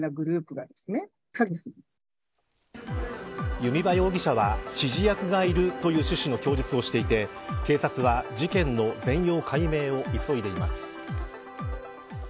弓場容疑者は、指示役がいるという趣旨の供述をしていて警察は事件の全容解明を急いでいます。